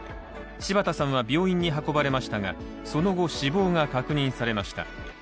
柴田さんは病院に運ばれましたがその後、死亡が確認されました。